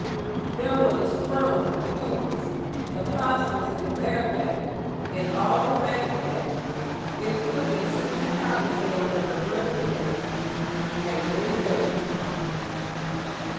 There were the Squirrels and the Coons, the Possums and the Bear family and all the Rabbit family, including Susie Cottontail and her brother Jimmie and many others.